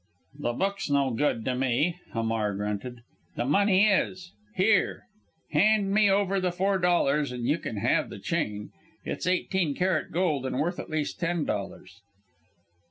"The book's no good to me!" Hamar grunted. "The money is. Here! hand me over the four dollars and you can have the chain. It's eighteen carat gold and worth at least ten dollars."